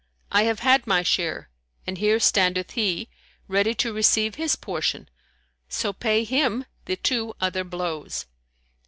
I have had my share and here standeth he, ready to receive his portion; so pay him the two other blows."